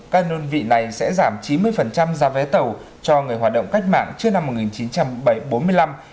các nôn vị này sẽ giảm chín mươi giá vé tàu cho người hoạt động cách mạng trước năm một nghìn chín trăm bốn mươi năm